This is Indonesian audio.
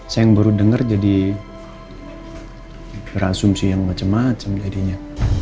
saya yang baru denger jadi berasumsi yang macem macem jadinya